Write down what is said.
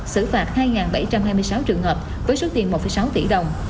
xử phạt hai bảy trăm hai mươi sáu trường hợp với số tiền một sáu tỷ đồng